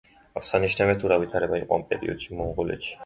აღსანიშნავია, თუ რა ვითარება იყო ამ პერიოდში მონღოლეთში.